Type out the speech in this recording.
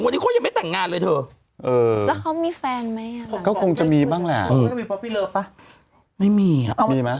โดยจนวันนี้เขายังไม่แต่งงานเลย